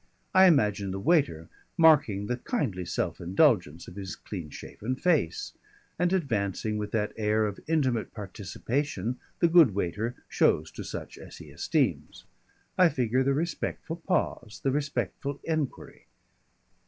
I imagine the waiter marking the kindly self indulgence of his clean shaven face, and advancing with that air of intimate participation the good waiter shows to such as he esteems. I figure the respectful pause, the respectful enquiry.